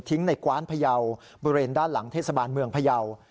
ในกว้านพยาวบริเวณด้านหลังเทศบาลเมืองพยาว